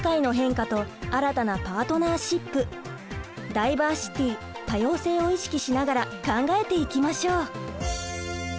ダイバーシティ多様性を意識しながら考えていきましょう！